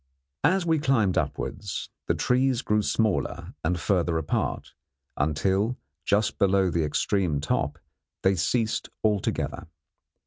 As we climbed upwards, the trees grew smaller and further apart, until, just below the extreme top, they ceased altogether.